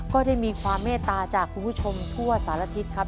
ก็ได้มีความเมตตาจากคุณผู้ชมทั่วสารทิศครับ